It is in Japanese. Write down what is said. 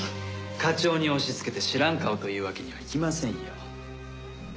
課長に押しつけて知らん顔というわけにはいきませんよ。